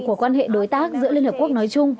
của quan hệ đối tác giữa liên hợp quốc nói chung